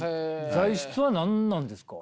材質は何なんですか？